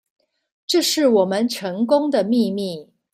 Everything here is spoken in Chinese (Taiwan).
這是我們成功的秘密